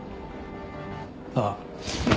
ああ。